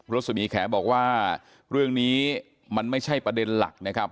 รสมีแขบอกว่าเรื่องนี้มันไม่ใช่ประเด็นหลักนะครับ